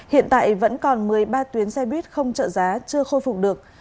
hiện tại vẫn còn một mươi ba tuyến xe buýt không trợ giá chưa khôi phục được